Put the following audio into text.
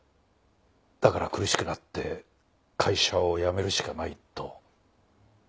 だから苦しくなって会社を辞めるしかないと。